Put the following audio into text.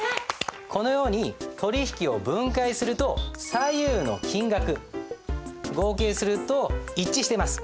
このように取引を分解すると左右の金額合計すると一致してます。